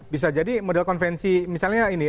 bisa jadi model konvensi misalnya ini